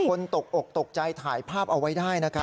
ตกอกตกใจถ่ายภาพเอาไว้ได้นะครับ